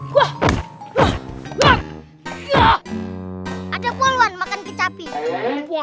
kita bantuin kita bantuin